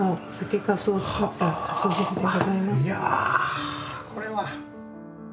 いやこれは。